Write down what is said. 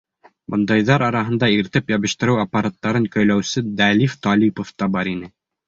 Бындайҙар араһында иретеп йәбештереү аппараттарын көйләүсе Дәлиф Талипов та бар ине.